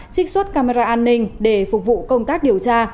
trích xuất camera an ninh để phục vụ công tác điều tra